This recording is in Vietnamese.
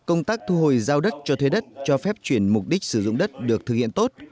công tác thu hồi giao đất cho thuê đất cho phép chuyển mục đích sử dụng đất được thực hiện tốt